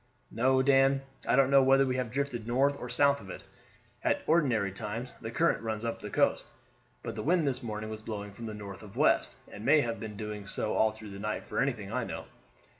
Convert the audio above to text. "No, Dan. I don't know whether we have drifted north or south of it. At ordinary times the current runs up the coast, but the wind this morning was blowing from the north of west, and may have been doing so all through the night for anything I know.